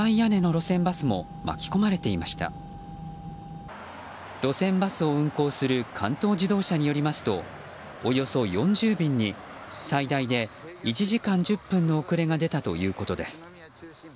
路線バスを運行する関東自動車道によりますとおよそ４０便に最大で１時間１０分の遅れが出たということです。